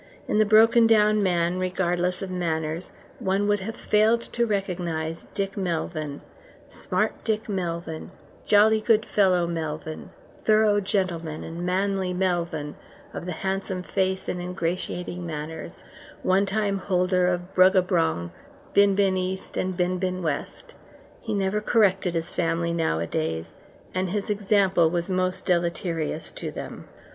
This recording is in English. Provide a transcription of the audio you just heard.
In the broken down man, regardless of manners, one would have failed to recognize Dick Melvyn, "Smart Dick Melvyn", "Jolly good fellow Melvyn" "Thorough Gentleman" and "Manly Melvyn" of the handsome face and ingratiating manners, one time holder of Bruggabrong, Bin Bin East, and Bin Bin West. He never corrected his family nowadays, and his example was most deleterious to them.